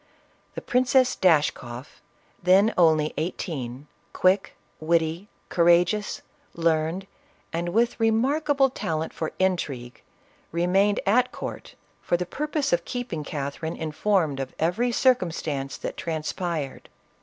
The Princess Dashkoff, then only eighteen, quick, witty, courageous, learned, and with remarkable talent for in . remained at court for the purpose of keeping Catherine informed of every circumstance that transpired.